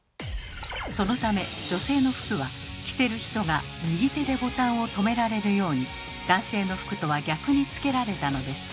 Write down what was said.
そのため女性の服は着せる人が右手でボタンを留められるように男性の服とは逆に付けられたのです。